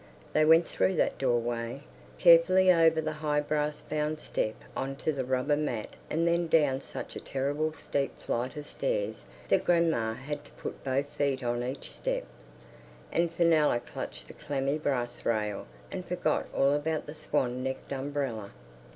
They went through that doorway. Carefully over the high brass bound step on to the rubber mat and then down such a terribly steep flight of stairs that grandma had to put both feet on each step, and Fenella clutched the clammy brass rail and forgot all about the swan necked umbrella.